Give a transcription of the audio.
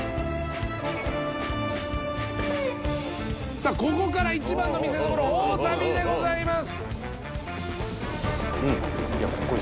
さあここから一番の見せどころ大サビでございます。